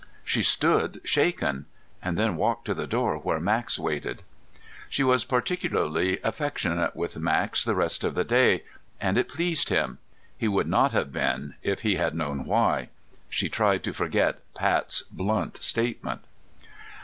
She stood shaken, and then walked to the door where Max waited. She was particularly affectionate with Max the rest of the day, and it pleased him. He would not have been if he had known why. She tried to forget Pat's blunt statement.